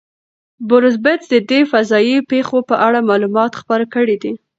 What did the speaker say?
بروس بتز د دې فضایي پیښو په اړه معلومات خپاره کړي دي.